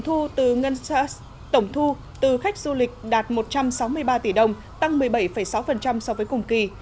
thu từ tổng thu từ khách du lịch đạt một trăm sáu mươi ba tỷ đồng tăng một mươi bảy sáu so với cùng kỳ